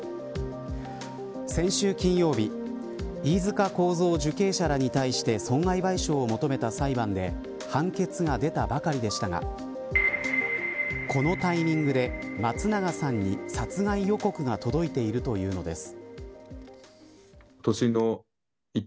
先週金曜日飯塚幸三受刑者らに対して損害賠償を求めた裁判で判決が出たばかりでしたがこのタイミングで松永さんに殺害予告が届いているというのです。